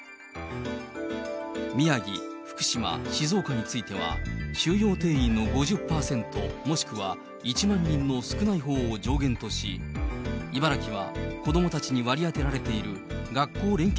宮城、福島、静岡については、収容定員の５０％、もしくは１万人の少ないほうを上限とし、茨城は子どもたちに割り当てられている学校連携